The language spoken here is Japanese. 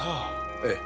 ええ。